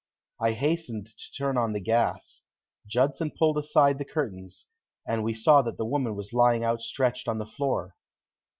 I hastened to turn on the gas. Judson pulled aside the curtains, and we saw that the woman was lying outstretched on the floor.